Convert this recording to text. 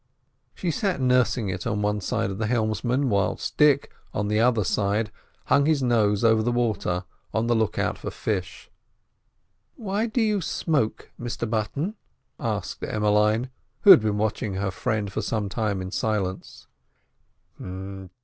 She sat nursing it on one side of the helmsman, whilst Dick, on the other side, hung his nose over the water, on the look out for fish. "Why do you smoke, Mr Button?" asked Emmeline, who had been watching her friend for some time in silence.